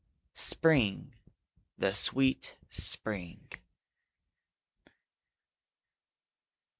Spring! the sweet Spring!